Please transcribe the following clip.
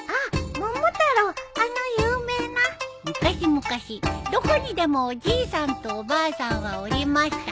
昔々どこにでもおじいさんとおばあさんはおりました。